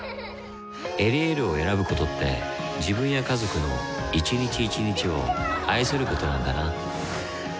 「エリエール」を選ぶことって自分や家族の一日一日を愛することなんだなうん。